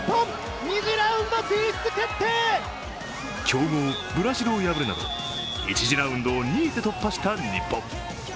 強豪ブラジルを破るなど１次ラウンドを２位で突破した日本。